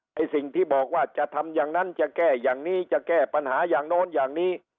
ไอ้สิ่งที่บอกว่าจะทำอย่างนั้นจะแก้อย่างนี้จะแก้ปัญหาอย่างโน้นอย่างนี้